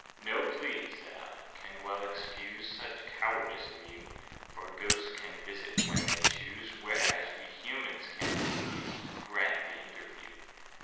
"No plea," said I, "can well excuse Such cowardice in you: For Ghosts can visit when they choose, Whereas we Humans ca'n't refuse To grant the interview."